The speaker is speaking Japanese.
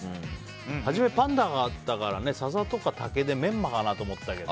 はじめパンダがあったから笹とか竹でメンマと思ったけど。